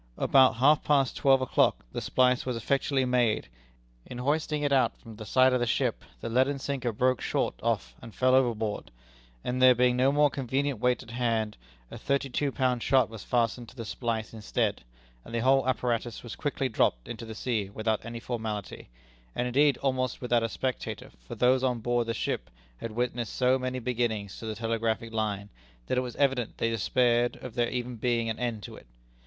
About half past twelve o'clock the splice was effectually made. In hoisting it out from the side of the ship the leaden sinker broke short off and fell overboard; and there being no more convenient weight at hand, a thirty two pound shot was fastened to the splice instead, and the whole apparatus was quickly dropped into the sea without any formality, and indeed almost without a spectator, for those on board the ship had witnessed so many beginnings to the telegraphic line, that it was evident they despaired of there ever being an end to it.